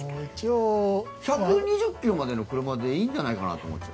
１２０ｋｍまでの車でいいんじゃないのかなと思っちゃう。